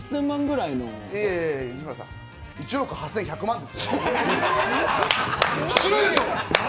いやいや西村さん、１億８１００万円ですよ。